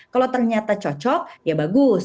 kalau ternyata cocok ya bagus